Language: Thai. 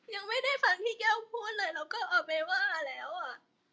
ยังไม่ได้ฟังพี่แก้วพูดเลยเราก็เอาไปว่าแล้วอ่ะ